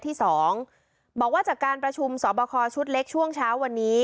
บอกว่าจากการประชุมสอบคอชุดเล็กช่วงเช้าวันนี้